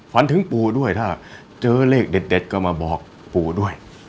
ฝันถึงปู่ด้วยถ้าเจอเลขเด็ดก็มาบอกปู่ด้วย